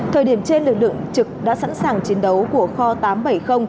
thời điểm trên lực lượng trực đã sẵn sàng chiến đấu của kho tám trăm bảy mươi